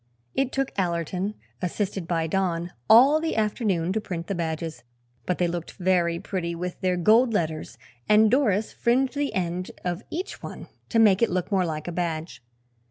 It took Allerton, assisted by Don, all the afternoon to print the badges, but they looked very pretty with their gold letters and Doris fringed the end of each one to make it look more like a badge.